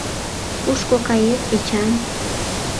— Кушко кает, Эчан?